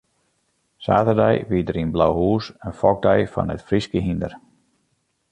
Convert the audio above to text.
Saterdei wie der yn Blauhûs in fokdei fan it Fryske hynder.